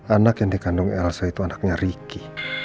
anak yang dikandung elsa itu anaknya ricky